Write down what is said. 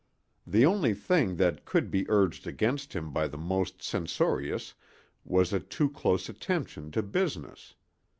The only thing that could be urged against him by the most censorious was a too close attention to business.